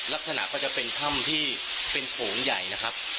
ลักษณะก็จะเป็นถ้ำที่เป็นโขงใหญ่นะครับ